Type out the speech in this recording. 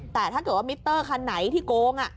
แต่ถ้าเกิดว่ามิตเตอร์คาที่กลง